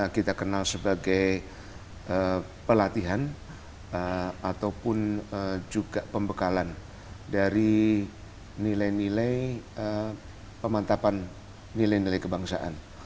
kita kenal sebagai pelatihan ataupun juga pembekalan dari nilai nilai pemantapan nilai nilai kebangsaan